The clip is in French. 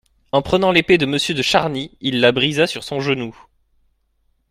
Et prenant l'épée de Monsieur de Charny, il la brisa sur son genou.